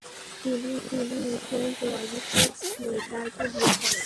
তিনি Ethel Winifred Slater কে বিয়ে করেন।